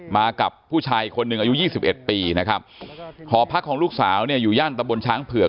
มากับผู้ชายคนหนึ่งอายุยี่สิบเอ็ดปีนะครับหอพักของลูกสาวเนี่ยอยู่ย่านตะบนช้างเผือก